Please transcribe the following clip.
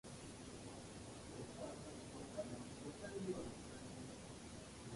Hymettus in Greece.